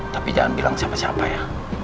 tapi jangan bilang siapa siapa ya